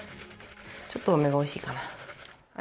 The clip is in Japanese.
ちょっと多めがおいしいかな。